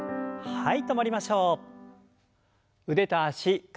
はい。